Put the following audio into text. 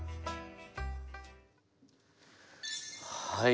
はい。